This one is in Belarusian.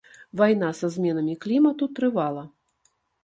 Вайна са зменамі клімату трывала.